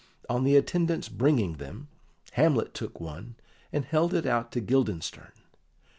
On the attendant's bringing them, Hamlet took one and held it out to Guildenstern.